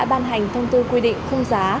ban hành thông tư quy định khung giá